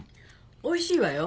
おいしいわよ。